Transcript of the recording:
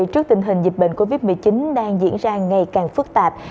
trước tình hình dịch bệnh covid một mươi chín đang diễn ra ngày càng phức tạp